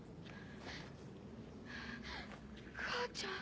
母ちゃん。